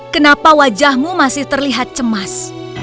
kenapa wajahmu masih terlihat cemas